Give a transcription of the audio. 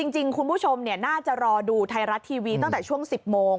จริงคุณผู้ชมน่าจะรอดูไทยรัฐทีวีตั้งแต่ช่วง๑๐โมง